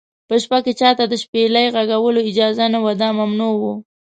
په شپه کې چا ته د شپېلۍ غږولو اجازه نه وه، دا ممنوع و.